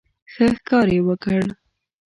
ښه ښکار یې وکړ.